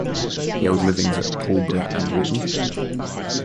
He held livings at Pulborough and Witney.